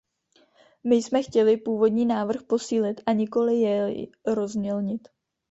My jsme chtěli původní návrh posílit, a nikoli jej rozmělnit.